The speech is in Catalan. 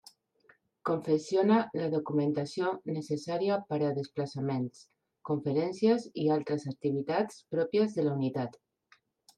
Confecciona la documentació necessària per a desplaçaments, conferències i altres activitats pròpies de la unitat.